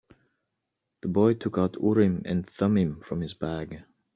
The boy took out Urim and Thummim from his bag.